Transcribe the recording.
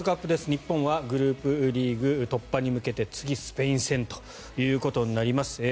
日本はグループリーグ突破に向けて次、スペイン戦ということになります。